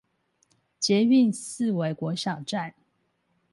捷運四維國小站